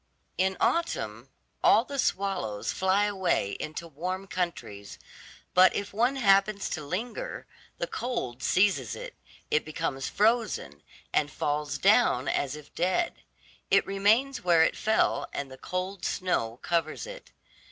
In autumn, all the swallows fly away into warm countries, but if one happens to linger, the cold seizes it, it becomes frozen, and falls down as if dead; it remains where it fell, and the cold snow covers it.